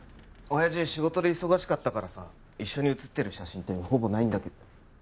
親父仕事で忙しかったからさ一緒に写ってる写真ってほぼないんだけど。